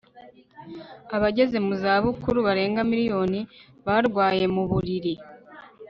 Abageze mu za bukuru barenga miliyoni barwaye mu buriri